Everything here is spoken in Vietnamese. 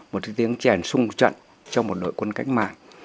một cái tiếng chèn sung một trận trong một đội quân cách mạng